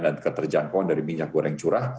dan keterjangkauan dari minyak goreng curah